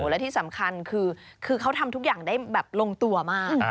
และที่สำคัญคือเขาทำทุกอย่างได้แบบลงตัวมาก